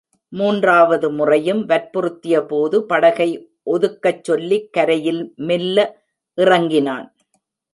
மூன்றாவது முறையும் வற்புறுத்தியபோது படகை ஒதுக்கச் சொல்லிக் கரையில் மெல்ல இறங்கினான்.